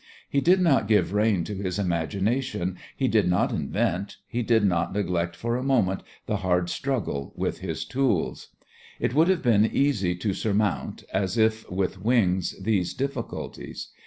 He did not give rein to his imagination, he did not invent, he did not neglect for a moment the hard struggle with his tools. It would have been easy to surmount, as if with wings, these difficulties.